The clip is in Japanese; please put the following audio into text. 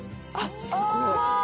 あっすごい！